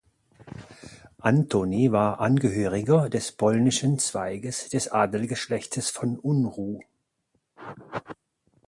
Antoni war Angehöriger des polnischen Zweiges des Adelsgeschlechtes von Unruh.